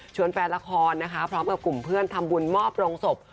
แฟนละครนะคะพร้อมกับกลุ่มเพื่อนทำบุญมอบโรงศพ